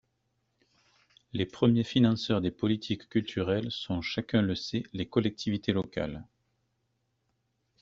Les premiers financeurs des politiques culturelles sont, chacun le sait, les collectivités locales.